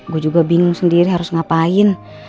gue juga bingung sendiri harus ngapain